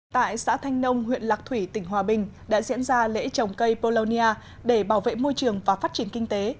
tại xã thanh nông huyện lạc thủy tỉnh hòa bình đã diễn ra lễ trồng cây polonia để bảo vệ môi trường và phát triển kinh tế